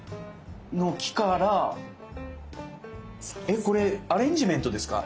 えっこれアレンジメントですか？